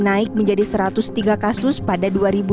naik menjadi satu ratus tiga kasus pada dua ribu dua puluh